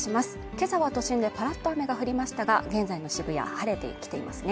今朝は都心でぱっと雨が降りましたが、現在の渋谷晴れてきていますね